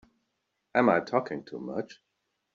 Am I talking too much?